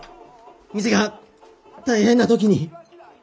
店が大変な時に！